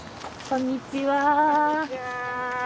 こんにちは。